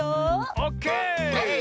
オッケー！